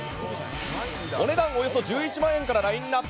お値段はおよそ１１万円からラインアップ。